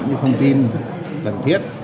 những thông tin cần thiết